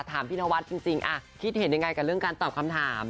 ถามพี่นวัดจริงคิดเห็นยังไงกับเรื่องการตอบคำถาม